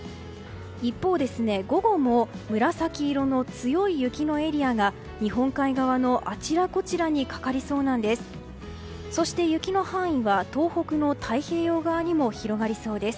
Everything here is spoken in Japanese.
一方、午後も紫色の強い雪のエリアが日本海側のあちらこちらにかかりそうなんです。